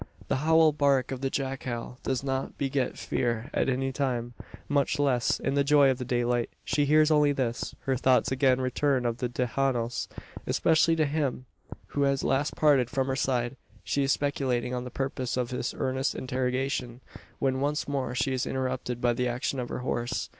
The howl bark of the jackal does not beget fear at any time; much less in the joy of the daylight. She hears only this. Her thoughts again return to the "Tejanos" especially to him who has last parted from her side. She is speculating on the purpose of his earnest interrogation; when once more she is interrupted by the action of her horse.